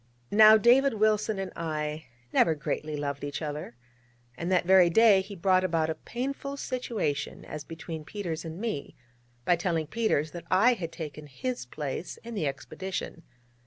Now, David Wilson and I never greatly loved each other, and that very day he brought about a painful situation as between Peters and me, by telling Peters that I had taken his place in the expedition.